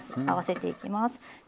合わせていきます。